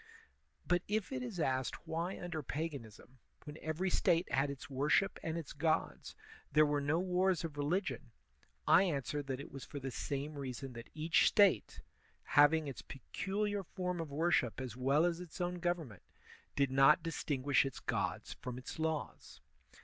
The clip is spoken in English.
But if it is asked why under paganism, when every State had its worship and its gods, there were no wars of religion, I answer that it was for the same reason that each State, having its peculiar form of worship as well as its own government, did not distinguish its gods from its laws.